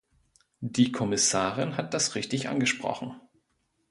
Die Kommissarin hat das richtig angesprochen.